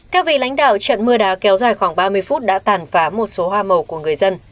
theo vị lãnh đạo trận mưa đá kéo dài khoảng ba mươi phút đã tàn phá một số hoa màu của người dân